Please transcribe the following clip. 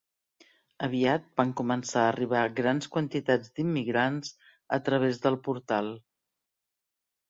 Aviat van començar a arribar grans quantitats d"immigrants a través del portal.